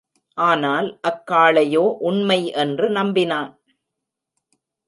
ஆனால் அக்காளையோ, உண்மை என்று நம்பினான்.